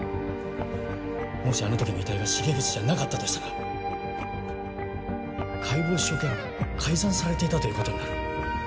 もしあの時の遺体が重藤じゃなかったとしたら解剖所見が改ざんされていたということになる。